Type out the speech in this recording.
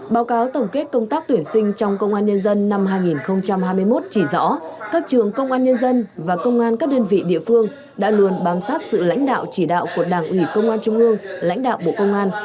báo cáo tổng kết công tác tuyển sinh trong công an nhân dân năm hai nghìn hai mươi một chỉ rõ các trường công an nhân dân và công an các đơn vị địa phương đã luôn bám sát sự lãnh đạo chỉ đạo của đảng ủy công an trung ương lãnh đạo bộ công an